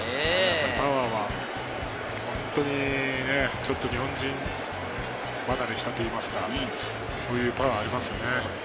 パワーは本当にちょっと日本人離れしたといいますか、そういうパワーがありますよね。